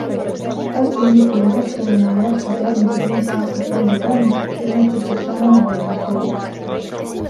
Tartu Ülikooli rektorina jätkab järgmised viis aastat Volli Kalm, nii otsustas tänane valimiskogu.